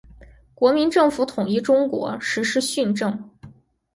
国民政府统一中国，实施训政。